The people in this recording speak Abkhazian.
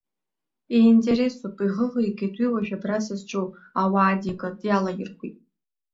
Иинтересуп иӷыӷигеит уи уажә абра сызҿу, ауаа адигалт, иалаирхәит.